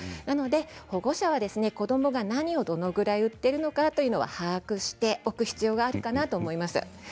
保護者は子どもが何をどのぐらい売っているのかということを把握しておく必要があると思います。